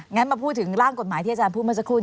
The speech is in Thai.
งั้นมาพูดถึงร่างกฎหมายที่อาจารย์พูดเมื่อสักครู่